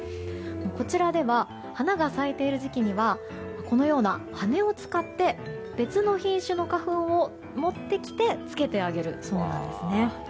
こちらでは花が咲いている時期にはこのような羽根を使って別の品種の花粉を持ってきてつけてあげるそうなんですね。